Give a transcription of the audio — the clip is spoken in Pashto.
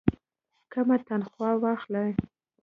کمه تنخواه واخلي.